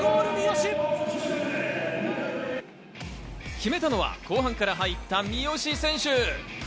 決めたのは後半から入った三好選手。